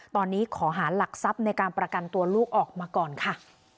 ตอนนี้ขอหาหลักทรัพย์ในการประกันตัวลูกออกมาก่อนค่ะ